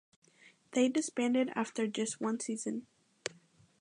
They disbanded after just one season.